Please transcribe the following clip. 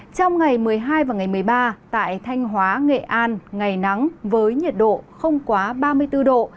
trong ngày một mươi hai và ngày một mươi ba tại thanh hóa nghệ an ngày nắng với nhiệt độ không quá ba mươi bốn độ